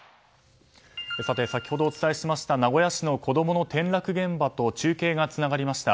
先ほどお伝えしました名古屋市の子供の転落現場と中継がつながりました。